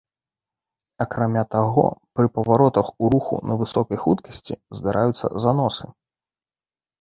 Акрамя таго, пры паваротах ў руху на высокай хуткасці здараюцца заносы.